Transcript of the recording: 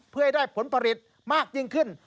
เพื่อให้ได้ผลผลิตมากยิ่งขึ้น